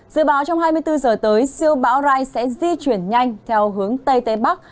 dự báo trong hai mươi bốn giờ tới siêu bão rai sẽ di chuyển nhanh theo hướng tây tây bắc